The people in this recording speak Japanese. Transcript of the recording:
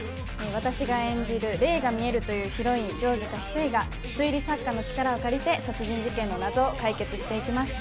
私が演じる霊が視えるというヒロイン、城塚翡翠が推理作家の力を借りて殺人事件の謎を解決していきます。